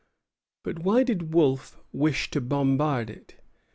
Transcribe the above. But why did Wolfe wish to bombard it?